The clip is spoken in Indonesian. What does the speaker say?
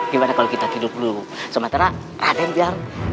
gimana kalau kita hidup dulu sementara ada yang bilang